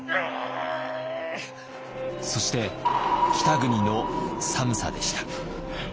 そして北国の寒さでした。